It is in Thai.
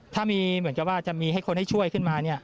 ถ้ามีเหมือนกับว่าจะมีให้คนให้ช่วยขึ้นมา